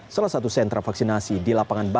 salah satu sentra vaksinasi di lapangan bambang